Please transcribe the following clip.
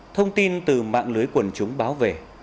thông tin từ mạng lưới quần chúng báo về